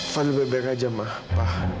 paling bebek aja mah pak